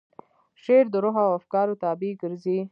شعر د روح او افکارو تابع ګرځي.